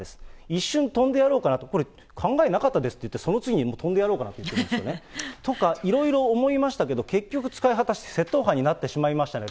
一瞬飛んでやろうかなと、これ考えなかったですって言って、その次に飛んでやろうかなって言ってるんですね。とかいろいろ思いましたけれども、結局使い果たして窃盗犯になってしまいましたね。